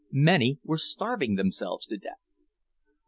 Many were starving themselves to death.